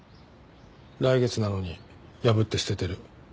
来月なのに破って捨ててる。